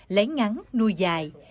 lấy ngắn nuôi dài